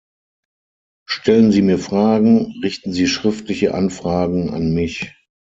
Stellen Sie mir Fragen, richten sie schriftliche Anfragen an mich.